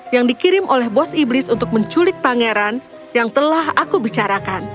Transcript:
yang dikirim oleh bos iblis untuk menculik pangeran yang telah aku bicarakan